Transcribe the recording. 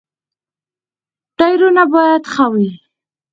ټایرونه باید ښه وي.